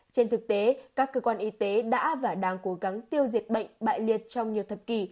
trên thực tế các cơ quan y tế đã và đang cố gắng tiêu diệt bệnh bại liệt trong nhiều thập kỷ